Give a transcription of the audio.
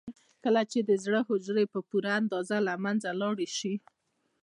کله چې د زړه حجرې په پوره اندازه له منځه لاړې شي.